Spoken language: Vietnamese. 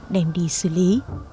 đem đi xử lý